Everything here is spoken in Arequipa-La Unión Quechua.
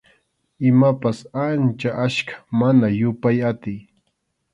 Imapas ancha achka, mana yupay atiy.